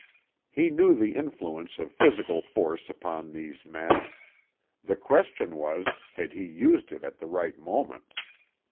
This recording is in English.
He knew the influence of physical force upon these men. The question was, had he used it at the right moment?